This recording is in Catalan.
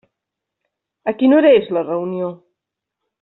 A quina hora és la reunió?